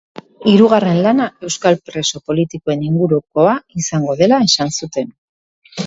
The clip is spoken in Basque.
Hirugarren lana euskal preso politikoen ingurukoa izango dela esan zuten.